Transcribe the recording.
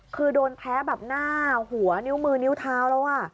คือโดนแพ้แบบหน้าหัวนิ้วมือนิ้วเท้าแล้ว